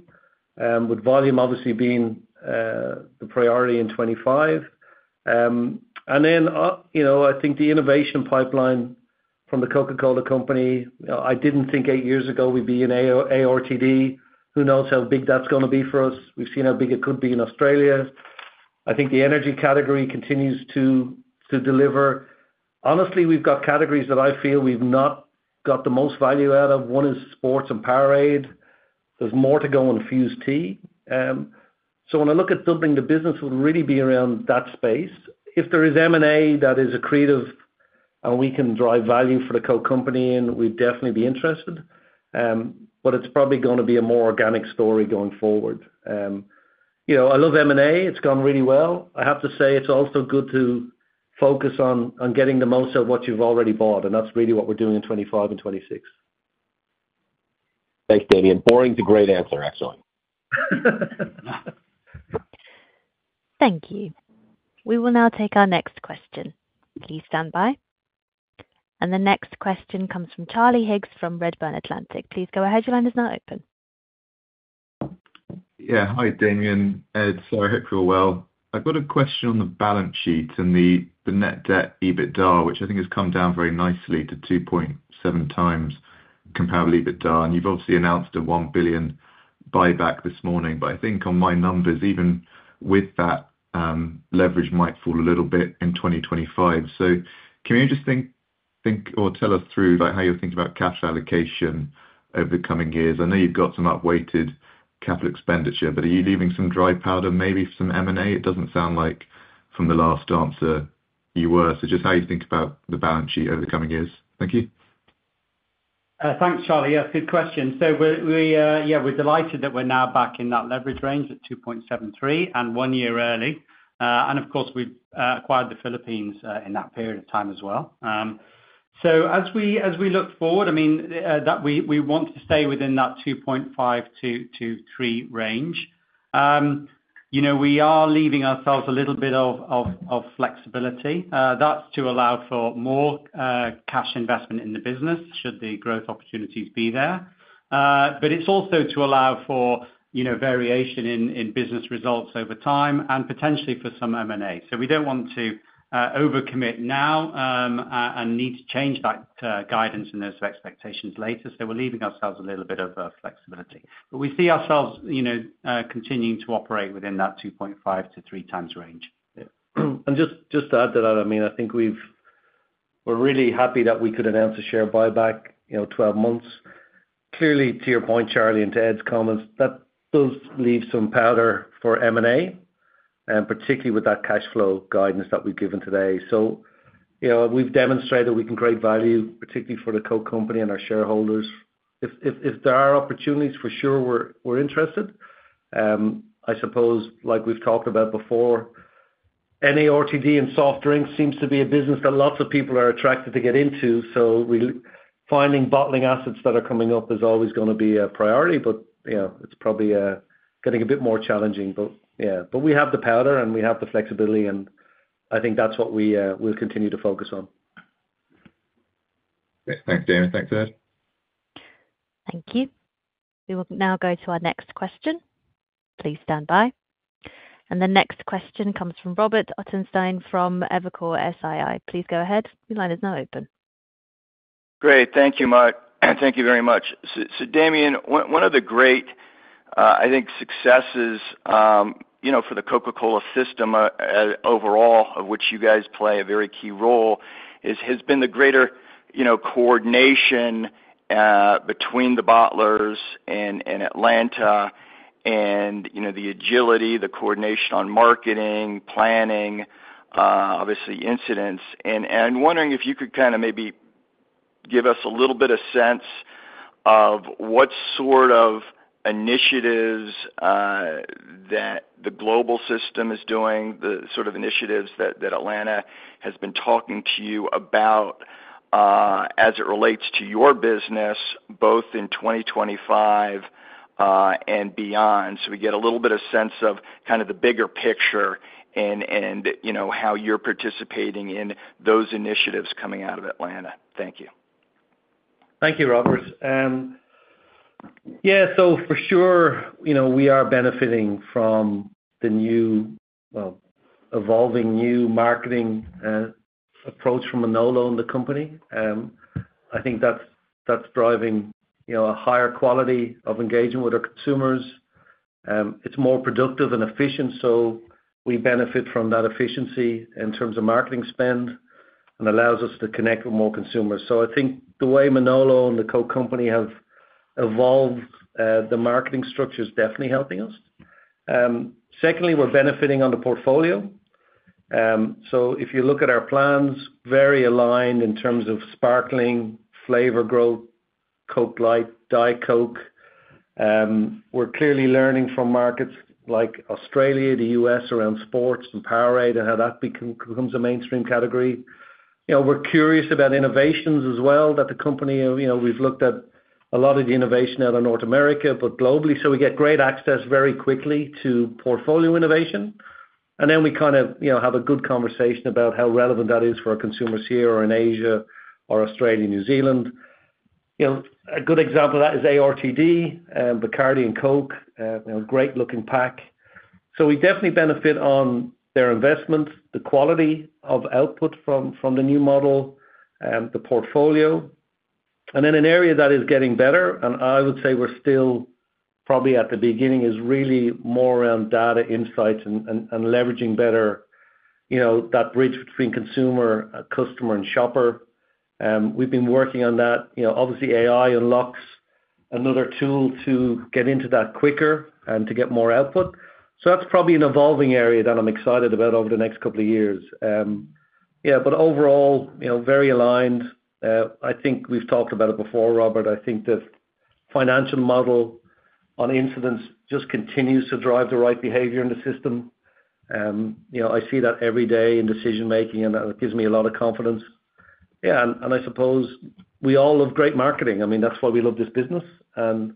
with volume obviously being the priority in 2025, and then I think the innovation pipeline from the Coca-Cola Company. I didn't think eight years ago we'd be in ARTD. Who knows how big that's going to be for us? We've seen how big it could be in Australia. I think the energy category continues to deliver. Honestly, we've got categories that I feel we've not got the most value out of. One is sports and Powerade. There's more to go on Fuze Tea, so when I look at doubling the business, it would really be around that space. If there is M&A that is a creative and we can drive value for the Coke company, we'd definitely be interested. But it's probably going to be a more organic story going forward. I love M&A. It's gone really well. I have to say it's also good to focus on getting the most out of what you've already bought. And that's really what we're doing in 2025 and 2026. Thanks, Damian. Boring is a great answer, actually. Thank you. We will now take our next question. Please stand by, and the next question comes from Charlie Higgs from Redburn Atlantic. Please go ahead. Your line is now open. Yeah. Hi, Damian. Sorry, I hope you're well. I've got a question on the balance sheet and the Net Debt to EBITDA, which I think has come down very nicely to 2.7 times comparable EBITDA. And you've obviously announced a $1 billion buyback this morning. But I think on my numbers, even with that leverage, might fall a little bit in 2025. So can you just walk us through how you're thinking about cash allocation over the coming years? I know you've got some outweighed capital expenditure, but are you leaving some dry powder, maybe some M&A? It doesn't sound like from the last answer you were. So just how you think about the balance sheet over the coming years. Thank you. Thanks, Charlie. Yeah, good question. So yeah, we're delighted that we're now back in that leverage range at 2.73 and one year early. And of course, we've acquired the Philippines in that period of time as well. So as we look forward, I mean, we want to stay within that 2.5-3 range. We are leaving ourselves a little bit of flexibility. That's to allow for more cash investment in the business should the growth opportunities be there. But it's also to allow for variation in business results over time and potentially for some M&A. So we don't want to overcommit now and need to change that guidance and those expectations later. So we're leaving ourselves a little bit of flexibility. But we see ourselves continuing to operate within that 2.5-3 times range. And just to add to that, I mean, I think we're really happy that we could announce a share buyback 12 months. Clearly, to your point, Charlie, and to Ed's comments, that does leave some powder for M&A, particularly with that cash flow guidance that we've given today. So we've demonstrated we can create value, particularly for the Coke company and our shareholders. If there are opportunities, for sure, we're interested. I suppose, like we've talked about before, any ARTD and soft drinks seems to be a business that lots of people are attracted to get into. So finding bottling assets that are coming up is always going to be a priority. But it's probably getting a bit more challenging. But yeah, but we have the powder and we have the flexibility. And I think that's what we'll continue to focus on. Thanks, Damian. Thanks, Ed. Thank you. We will now go to our next question. Please stand by, and the next question comes from Robert Ottenstein from Evercore ISI. Please go ahead. Your line is now open. Great. Thank you, Mike. Thank you very much. So Damian, one of the great, I think, successes for the Coca-Cola system overall, of which you guys play a very key role, has been the greater coordination between the bottlers in Atlanta and the agility, the coordination on marketing, planning, obviously incentives. And I'm wondering if you could kind of maybe give us a little bit of sense of what sort of initiatives that the global system is doing, the sort of initiatives that Atlanta has been talking to you about as it relates to your business, both in 2025 and beyond. So we get a little bit of sense of kind of the bigger picture and how you're participating in those initiatives coming out of Atlanta. Thank you. Thank you, Robert. Yeah. So for sure, we are benefiting from the new, evolving marketing approach from Manolo and the company. I think that's driving a higher quality of engagement with our consumers. It's more productive and efficient. So we benefit from that efficiency in terms of marketing spend and allows us to connect with more consumers. So I think the way Manolo and the Coke company have evolved, the marketing structure is definitely helping us. Secondly, we're benefiting on the portfolio. So if you look at our plans, very aligned in terms of sparkling, flavor growth, Coke Light, Diet Coke. We're clearly learning from markets like Australia, the U.S., around sports and Powerade and how that becomes a mainstream category. We're curious about innovations as well that the company we've looked at a lot of the innovation out of North America, but globally. So we get great access very quickly to portfolio innovation. And then we kind of have a good conversation about how relevant that is for our consumers here or in Asia or Australia, New Zealand. A good example of that is ARTD, Bacardi and Coke, a great-looking pack. So we definitely benefit on their investment, the quality of output from the new model, the portfolio. And then an area that is getting better, and I would say we're still probably at the beginning, is really more around data insights and leveraging better that bridge between consumer, customer, and shopper. We've been working on that. Obviously, AI unlocks another tool to get into that quicker and to get more output. So that's probably an evolving area that I'm excited about over the next couple of years. Yeah. But overall, very aligned. I think we've talked about it before, Robert. I think the financial model on incentives just continues to drive the right behavior in the system. I see that every day in decision-making, and that gives me a lot of confidence. Yeah. And I suppose we all love great marketing. I mean, that's why we love this business. And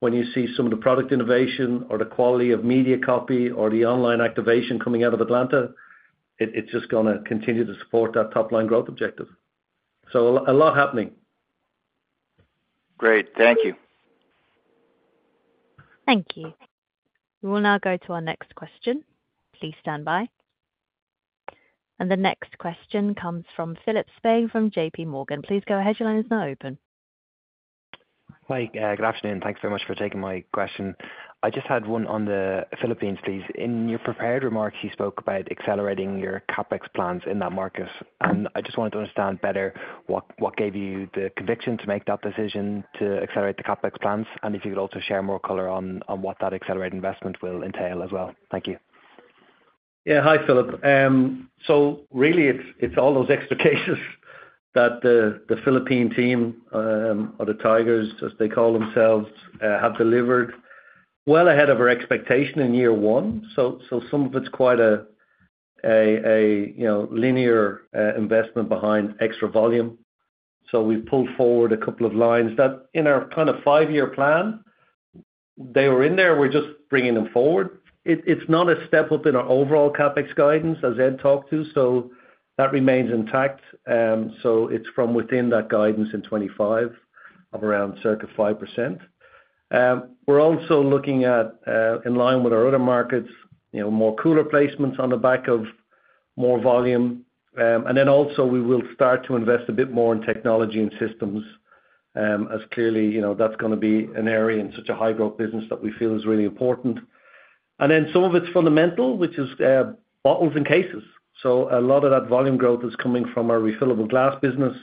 when you see some of the product innovation or the quality of media copy or the online activation coming out of Atlanta, it's just going to continue to support that top-line growth objective. So a lot happening. Great. Thank you. Thank you. We will now go to our next question. Please stand by. The next question comes from Filippo Pietrogrande from JP Morgan. Please go ahead. Your line is now open. Hi. Good afternoon. Thanks very much for taking my question. I just had one on the Philippines, please. In your prepared remarks, you spoke about accelerating your CapEx plans in that market. And I just wanted to understand better what gave you the conviction to make that decision to accelerate the CapEx plans and if you could also share more color on what that accelerated investment will entail as well. Thank you. Yeah. Hi, Filippo. So really, it's all those extra cases that the Philippine team or the Tigers, as they call themselves, have delivered well ahead of our expectation in year one. Some of it's quite a linear investment behind extra volume. We've pulled forward a couple of lines that in our kind of five-year plan, they were in there. We're just bringing them forward. It's not a step up in our overall CapEx guidance, as Ed talked to. That remains intact. It's from within that guidance in 2025 of around circa 5%. We're also looking at, in line with our other markets, more cooler placements on the back of more volume. Then also, we will start to invest a bit more in technology and systems, as clearly that's going to be an area in such a high-growth business that we feel is really important. And then some of it's fundamental, which is bottles and cases. So a lot of that volume growth is coming from our refillable glass business.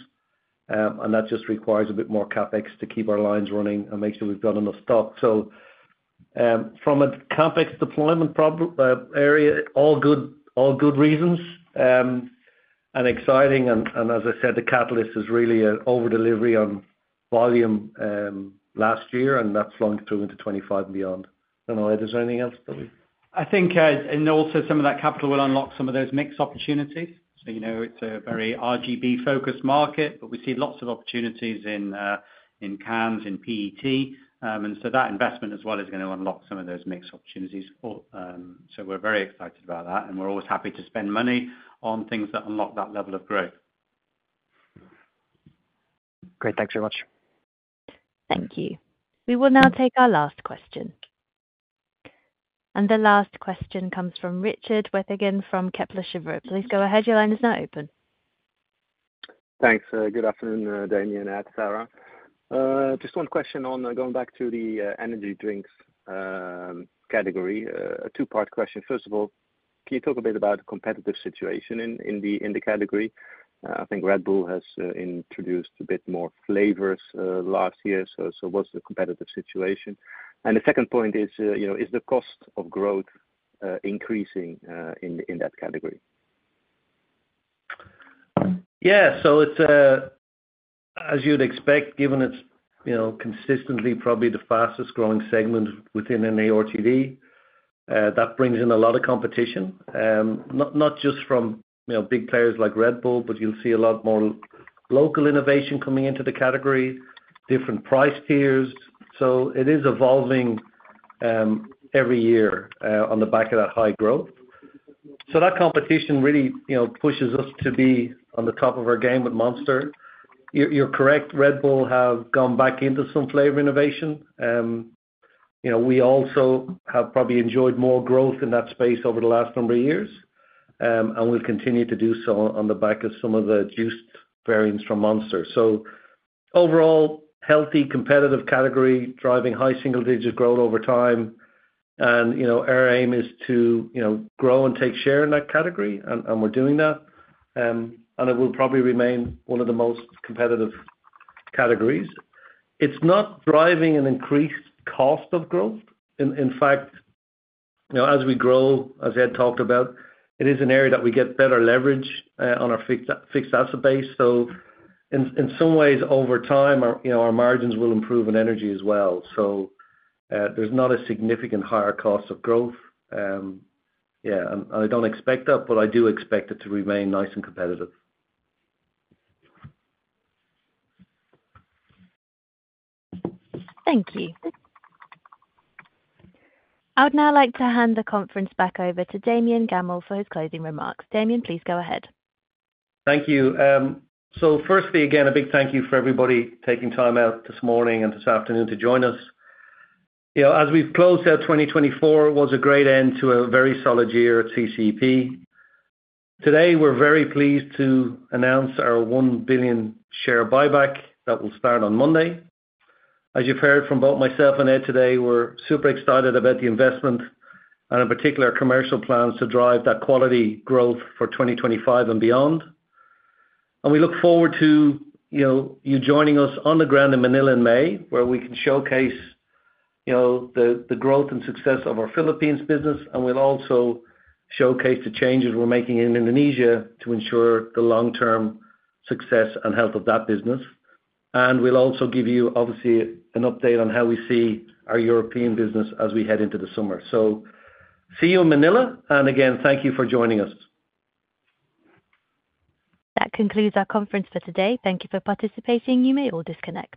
And that just requires a bit more CapEx to keep our lines running and make sure we've got enough stock. So from a CapEx deployment area, all good reasons and exciting. And as I said, the catalyst is really an overdelivery on volume last year, and that's flowing through into 2025 and beyond. I don't know. Ed, is there anything else that we? I think, and also some of that capital will unlock some of those mixed opportunities. So it's a very RGB-focused market, but we see lots of opportunities in cans, in PET. And so that investment as well is going to unlock some of those mixed opportunities. So we're very excited about that. And we're always happy to spend money on things that unlock that level of growth. Great. Thanks very much. Thank you. We will now take our last question. And the last question comes from Richard Withagen from Kepler Cheuvreux. Please go ahead. Your line is now open. Thanks. Good afternoon, Damian and Sarah. Just one question on going back to the energy drinks category. A two-part question. First of all, can you talk a bit about the competitive situation in the category? I think Red Bull has introduced a bit more flavors last year. So what's the competitive situation? And the second point is, is the cost of growth increasing in that category? Yeah. So as you'd expect, given it's consistently probably the fastest-growing segment within an NARTD, that brings in a lot of competition, not just from big players like Red Bull, but you'll see a lot more local innovation coming into the category, different price tiers. So it is evolving every year on the back of that high growth. So that competition really pushes us to be on the top of our game with Monster. You're correct. Red Bull have gone back into some flavor innovation. We also have probably enjoyed more growth in that space over the last number of years, and we'll continue to do so on the back of some of the juiced variants from Monster. So overall, healthy, competitive category, driving high single-digit growth over time. And our aim is to grow and take share in that category, and we're doing that. And it will probably remain one of the most competitive categories. It's not driving an increased cost of growth. In fact, as we grow, as Ed talked about, it is an area that we get better leverage on our fixed asset base. So in some ways, over time, our margins will improve in energy as well. So there's not a significant higher cost of growth. Yeah. And I don't expect that, but I do expect it to remain nice and competitive. Thank you. I would now like to hand the conference back over to Damian Gammell for his closing remarks. Damian, please go ahead. Thank you. So firstly, again, a big thank you for everybody taking time out this morning and this afternoon to join us. As we've closed out 2024, it was a great end to a very solid year at CCEP. Today, we're very pleased to announce our 1 billion share buy-back that will start on Monday. As you've heard from both myself and Ed today, we're super excited about the investment and in particular, commercial plans to drive that quality growth for 2025 and beyond. And we look forward to you joining us on the ground in Manila in May, where we can showcase the growth and success of our Philippines business. And we'll also showcase the changes we're making in Indonesia to ensure the long-term success and health of that business. And we'll also give you, obviously, an update on how we see our European business as we head into the summer. So see you in Manila. And again, thank you for joining us. That concludes our conference for today. Thank you for participating. You may all disconnect.